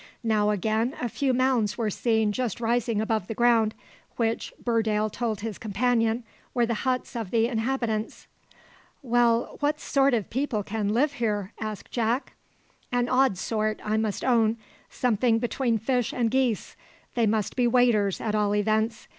Now again a few mounds were seen just rising above the ground, which, Burdale told his companion, were the huts of the inhabitants. "Well, what sort of people can live here?" asked Jack. "An odd sort, I must own; something between fish and geese. They must be waders, at all events.